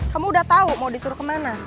kamu udah tahu mau disuruh kemana